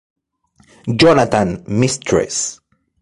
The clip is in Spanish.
Jonathan, Mrs.